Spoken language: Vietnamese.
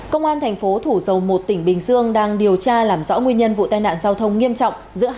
công an thành phố thủ dầu một tỉnh bình dương đang điều tra làm rõ nguyên nhân vụ tai nạn giao thông nghiêm trọng giữa